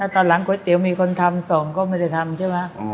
ตอนหลังก๋วยเตี๋ยวมีคนทำส่งก็ไม่ได้ทำใช่ไหม